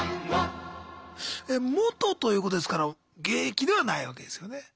元ということですから現役ではないわけですよね？